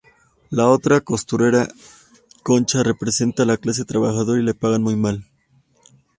La otra costurera, Concha, representa la clase trabajadora y le pagan muy mal.